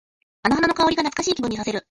あの花の香りが懐かしい気分にさせる。